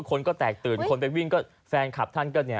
คนก็แตกตื่นคนไปวิ่งก็แฟนคลับท่านก็เนี่ย